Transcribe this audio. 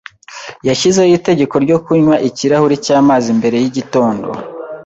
Yashyizeho itegeko ryo kunywa ikirahuri cyamazi mbere yigitondo.